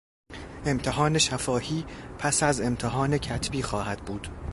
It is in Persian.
امتحان شفاهی پس از امتحان کتبی خواهد بود.